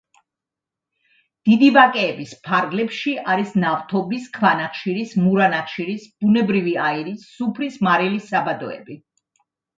დიდი ვაკეების ფარგლებში არის ნავთობის, ქვანახშირის, მურა ნახშირის, ბუნებრივი აირის, სუფრის მარილის საბადოები.